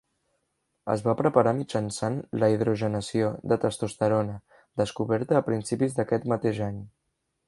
Es va preparar mitjançant la hidrogenació de testosterona, descoberta a principis d'aquest mateix any.